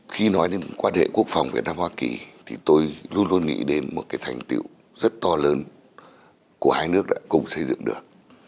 khi nói đến quan hệ quốc phòng việt nam hoa kỳ thì tôi luôn luôn nghĩ đến một cái thành tiệu rất to lớn của hai nước đã cùng xây dựng được